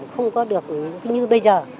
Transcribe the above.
không có được như bây giờ